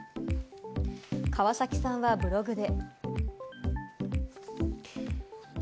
川崎さんはブログで。